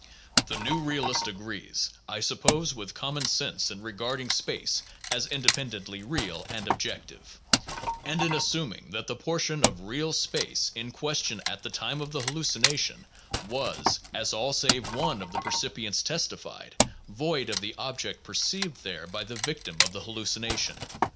The new realist agrees, I suppose, with common sense in regarding space as "independently real" and "objective," and in assuming that the portion of real space in question at the time of the halluci nation was, as all save one of the percipients testified, void of the object perceived there by the victim of the hallucination.